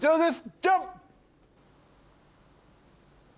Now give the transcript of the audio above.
ジャン！